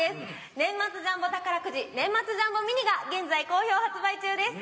年末ジャンボ宝くじ年末ジャンボミニが現在好評発売中です。